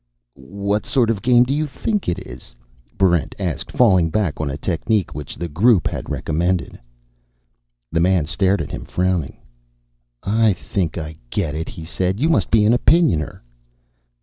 "What sort of a game do you think it is?" Barrent asked, falling back on a technique which the Group had recommended. The man stared at him, frowning. "I think I get it," he said. "You must be an Opinioner."